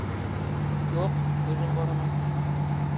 — Yo‘q, o‘zim boraman.